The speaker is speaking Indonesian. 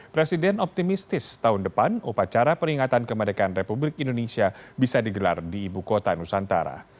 presiden optimistis tahun depan upacara peringatan kemerdekaan republik indonesia bisa digelar di ibu kota nusantara